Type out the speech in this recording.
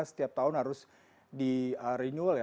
setiap tahun harus di renewal ya